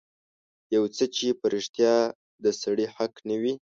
يو څه چې په رښتيا د سړي حق نه وي.